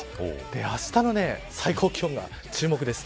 あしたの最高気温が注目です。